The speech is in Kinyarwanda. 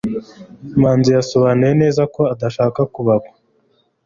Manzi yasobanuye neza ko adashaka kubagwa.